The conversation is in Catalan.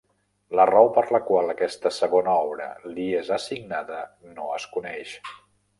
La raó per la qual aquesta segona obra li és assignada no es coneix.